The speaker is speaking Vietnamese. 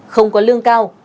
không có lương cao